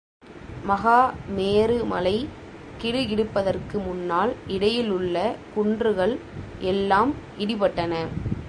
மகா மேரு மலை கிடு கிடுப்பதற்கு முன்னால் இடையிலுள்ள குன்றங்கள் எல்லாம் இடிபட்டன.